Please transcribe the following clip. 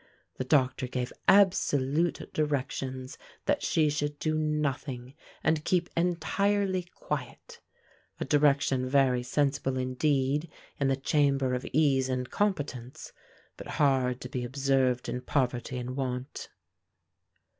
The doctor gave absolute directions that she should do nothing, and keep entirely quiet a direction very sensible indeed in the chamber of ease and competence, but hard to be observed in poverty and want.